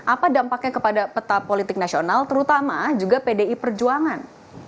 apa dampaknya kepada peta politik nasional terutama juga pdi perjuangan